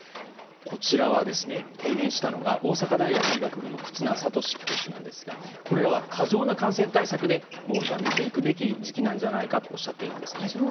こちらを提言したのが大阪大学医学部の忽那賢志教授なんですがこれらは過剰な感染対策でもうやめていくべき時期なんじゃないかとおっしゃっているんです。